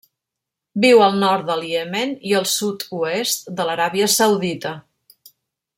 Viu al nord del Iemen i el sud-oest de l'Aràbia Saudita.